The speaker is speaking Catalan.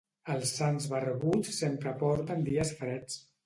Els sants barbuts sempre porten dies freds.